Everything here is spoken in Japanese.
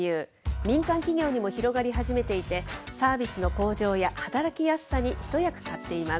民間企業にも広がり始めていて、サービスの向上や働きやすさに一役買っています。